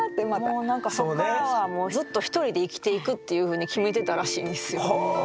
もうそっからはもうずっと一人で生きていくっていうふうに決めてたらしいんですよ。